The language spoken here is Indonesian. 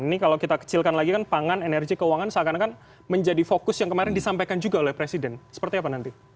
ini kalau kita kecilkan lagi kan pangan energi keuangan seakan akan menjadi fokus yang kemarin disampaikan juga oleh presiden seperti apa nanti